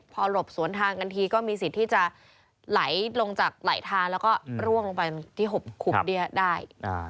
พอหลบสวนทางกันทีก็มีสิทธิ์ที่จะไหลลงจากไหลทางแล้วก็ร่วงลงไปที่หบขุบเบี้ยได้